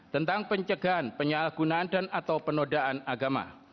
tentang pencegahan penyalahgunaan dan atau penodaan agama